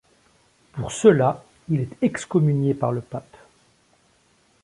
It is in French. Pour cela, il est excommunié par le Pape.